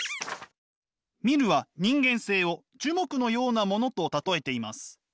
ミルは人間性を樹木のようなものと例えています。